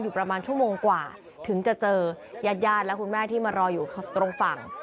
ประมาณชั่วโมงกว่าถึงจะเจอยาดและคุณแม่ที่มารออยู่ตรงฝั่ง